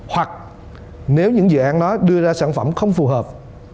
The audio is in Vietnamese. hoặc nếu những dự án đó đưa ra sản phẩm không phù hợp